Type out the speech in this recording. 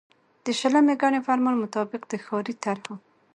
د شلمي ګڼي فرمان مطابق د ښاري طرحو